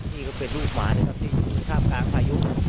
นี่ก็เป็นลูกหมาที่อยู่ท่าบกลางพายุ